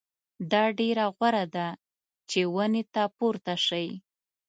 دا ډېره غوره ده چې ونې ته پورته شئ.